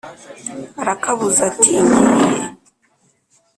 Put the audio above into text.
Arakabuza ati: ngiye